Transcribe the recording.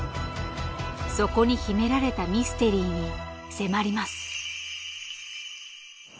そこに秘められたミステリーに迫ります。